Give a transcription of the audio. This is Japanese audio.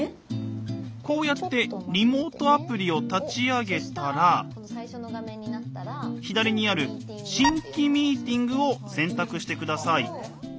こうやってリモートアプリを立ち上げたら左にある「新規ミーティング」を選択して下さい。